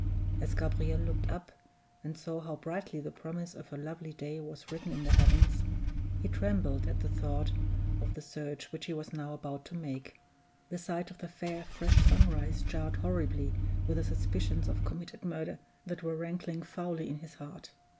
As Gabriel looked up, and saw how brightly the promise of a lovely day was written in the heavens, he trembled as he thought of the search which he was now about to make. The sight of the fair, fresh sunrise jarred horribly with the suspicions of committed murder that were rankling foully in his heart.